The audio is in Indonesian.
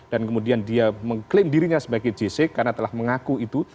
dan kemudian dia mengklaim dirinya sebagai gc karena telah mengaku itu